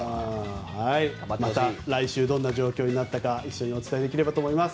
また来週どんな状況になったか一緒にお伝えできればと思います。